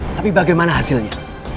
tapi bagaimana hasilnya